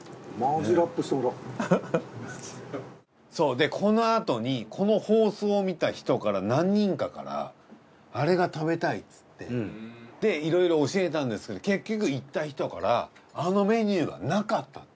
でこのあとにこの放送を見た人から何人かからあれが食べたいつってでいろいろ教えたんですけど結局行った人からあのメニューはなかったと。